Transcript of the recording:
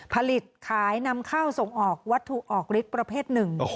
ผลิตขายนำเข้าส่งออกวัตถุออกฤทธิ์ประเภทหนึ่ง